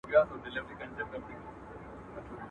رقیب مي له شهبازه غزلونه تښتوي.